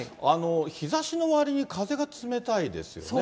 日ざしのわりに風が冷たいですよね。